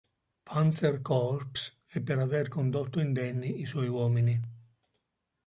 Panzer Corps e per aver condotto indenni i suoi uomini.